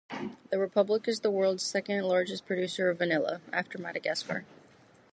The republic is the world's second largest producer of vanilla, after Madagascar.